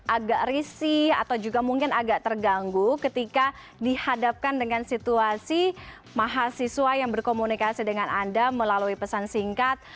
agak risih atau juga mungkin agak terganggu ketika dihadapkan dengan situasi mahasiswa yang berkomunikasi dengan anda melalui pesan singkat